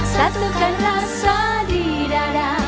satukan rasa di dada